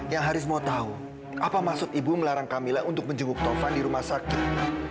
yang haris mau tahu apa maksud ibu melarang kamila untuk menjenguk taufan di rumah sakit